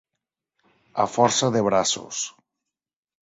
A força de braços.